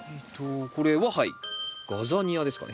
これははいガザニアですかね？